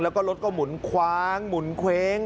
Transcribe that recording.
แล้วก็รถก็หมุนคว้างหมุนเคว้ง